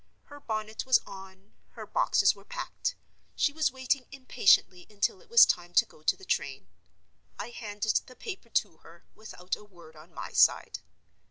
Her bonnet was on; her boxes were packed; she was waiting impatiently until it was time to go to the train. I handed the paper to her, without a word on my side.